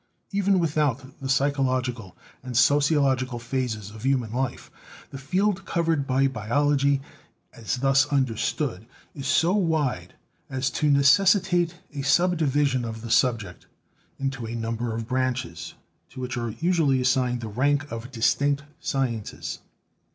Even without the psychological and sociological phases of human life, the field covered by biology as thus under 6 BIOLOGY stood is so wide as to necessitate a subdivision of the sub ject into a number of branches, to which are usually as signed the rank of distinct sciences.